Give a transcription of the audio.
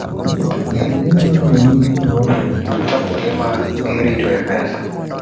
Jopuonjre nyalo tiyo gi riwruogegi kaka kuonde ma giritoe pesa.